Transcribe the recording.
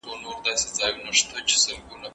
خیال انسان ته وزرونه ورکوي.